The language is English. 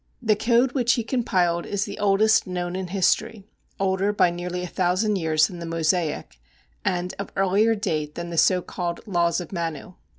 The code which he compiled is the oldest known in history, older by nearly a thousand years than the Mosaic, and of earlier date than the so called Laws of Manu.